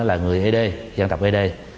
là người ad